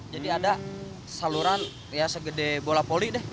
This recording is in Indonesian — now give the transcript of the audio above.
jadi ada saluran segede bola poli deh